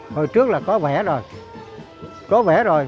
hồi trước là có vẻ rồi có vẻ rồi